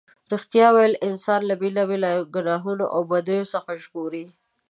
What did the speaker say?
رښتیا ویل انسان له بېلا بېلو گناهونو او بدیو څخه ژغوري.